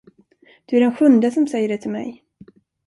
Du är den sjunde som säger det till mig.